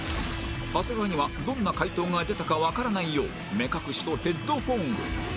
長谷川にはどんな解答が出たかわからないよう目隠しとヘッドフォンを